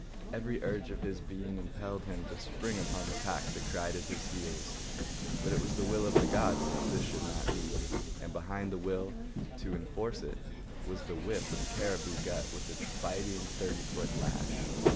Every urge of his being impelled him to spring upon the pack that cried at his heels, but it was the will of the gods that this should not be; and behind the will, to enforce it, was the whip of cariboo gut with its biting thirty foot lash.